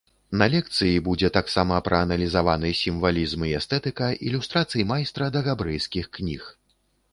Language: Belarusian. На лекцыі будзе таксама прааналізаваны сімвалізм і эстэтыка ілюстрацый майстра да габрэйскіх кніг.